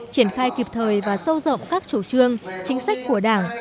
triển khai kịp thời và sâu rộng các chủ trương chính sách của đảng